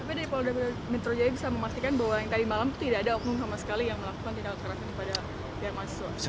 tapi dari pola pola metro jaya bisa memastikan bahwa yang tadi malam tidak ada oknum sama sekali yang melakukan tindakan kekerasan pada daerah mahasiswa